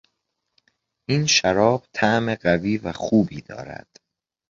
این شراب طعم قوی و خوبی دارد.